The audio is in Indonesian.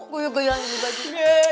gue juga ingin beli baju